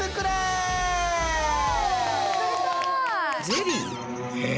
ゼリー？え？